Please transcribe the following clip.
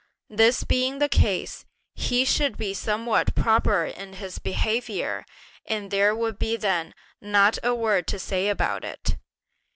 This being the case, he should be somewhat proper in his behaviour, and there would be then not a word to say about it!